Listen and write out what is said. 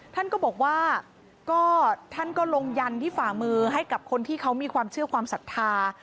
ท่านก็บอกว่าก็ท่านก็ลงยันที่ฝ่ามือให้กับคนที่เขามีความเชื่อความศรัทธา